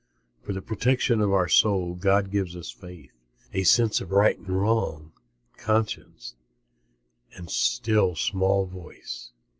For the protection of our soul God gives us faith, a sense of right and wrong, conscience, the still small voice.